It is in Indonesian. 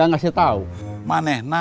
dan kembali ini